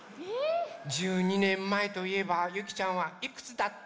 １２ねんまえといえばゆきちゃんはいくつだった？